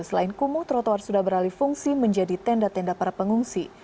selain kumuh trotoar sudah beralih fungsi menjadi tenda tenda para pengungsi